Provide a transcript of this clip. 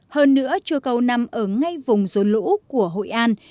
hơn nữa chùa cầu nằm ở ngay vùng dồn lũ của hội an